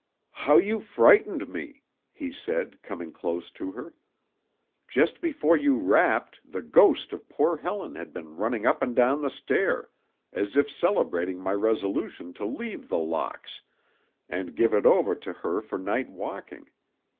"How you frightened me!" he said, coming close to her. "Just before you rapped, the ghost of poor Helen had been running up and down the stair, as if celebrating my resolution to leave The Locks, and give it over to her for night walking.